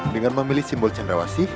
dengan memilih simbol cendrawasi